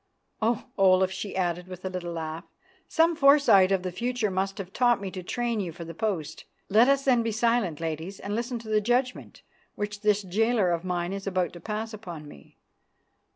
Oh! Olaf," she added with a little laugh, "some foresight of the future must have taught me to train you for the post. Let us then be silent, ladies, and listen to the judgment which this jailer of mine is about to pass upon me.